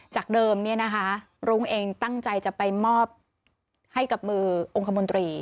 จากเดิมรุ้งเองตั้งใจจะไปมอบให้กับมือองค์คมดรี